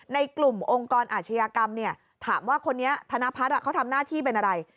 ในกลุ่มองค์กรอาชญากรรมเนี่ยถามว่าคนนี้ธนพัฒน์เขาทำหน้าที่เป็นอะไร